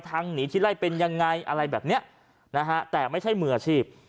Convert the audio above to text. หนีที่ไล่เป็นยังไงอะไรแบบเนี้ยนะฮะแต่ไม่ใช่มืออาชีพ